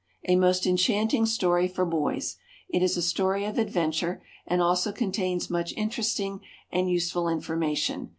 _ A most enchanting story for boys. It is a story of adventure, and also contains much interesting and useful information.